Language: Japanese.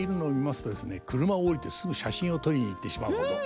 車を降りてすぐ写真を撮りに行ってしまうほど。